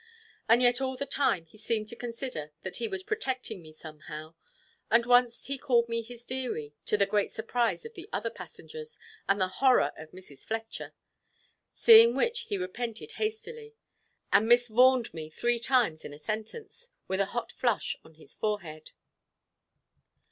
And yet all the time he seemed to consider that he was protecting me somehow, and once he called me his dearie, to the great surprise of the other passengers, and the horror of Mrs. Fletcher; seeing which he repented hastily, and "Miss Vaughan'd" me three times in a sentence, with a hot flush on his forehead.